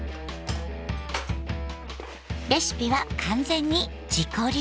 レシピは完全に自己流。